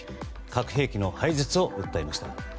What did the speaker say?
核兵器の廃絶を訴えました。